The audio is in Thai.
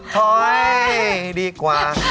คอยดีกว่า